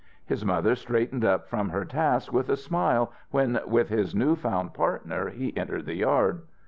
His mother straightened up from her task with a smile when with his new found partner he entered the yard.